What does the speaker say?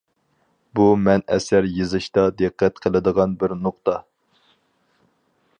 بۇ مەن ئەسەر يېزىشتا دىققەت قىلىدىغان بىر نۇقتا.